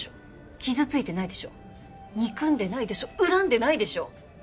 傷ついてないでしょ憎んでないでしょ恨んでないでしょ